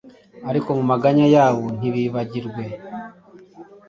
ariko mu maganya yabo ntibibagirwe